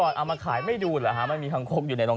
หน้าฝนไม่ดูหรอค่ะมันมีหลองทำตเดง